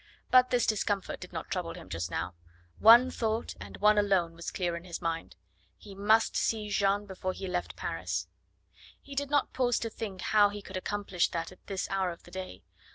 But this discomfort did not trouble him just now. One thought and one alone was clear in his mind: he must see Jeanne before he left Paris. He did not pause to think how he could accomplish that at this hour of the day.